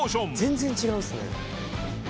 全然違うんですね。